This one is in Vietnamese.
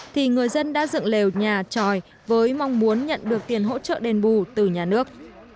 thì người dân đã dựng lều nhà tròi với mong muốn nhận được tiền hỗ trợ đền bù từ nhà nước